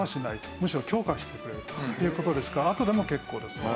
むしろ強化してくれるという事ですからあとでも結構です。